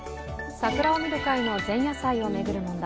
桜を見る会の前夜祭を巡る問題。